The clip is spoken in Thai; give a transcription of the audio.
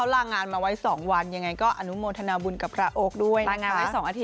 รายงานไว้๒อาทิตย์๒อาทิตย์๒สัปดาห์